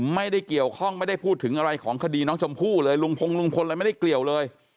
ไม่ได้เกี่ยวข้องไม่ได้พูดถึงอะไรของคดีน้องชมพู่เลยลุงพงลุงพลอะไรไม่ได้เกี่ยวเลย